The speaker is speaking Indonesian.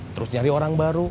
terus nyari orang baru